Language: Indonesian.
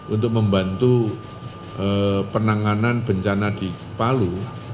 untuk membantu penanganan bencana di palu